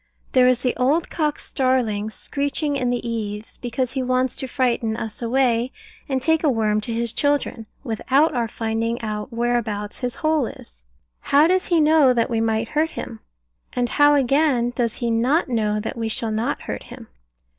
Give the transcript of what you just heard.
There is the old cock starling screeching in the eaves, because he wants to frighten us away, and take a worm to his children, without our finding out whereabouts his hole is. How does he know that we might hurt him? and how again does he not know that we shall not hurt him?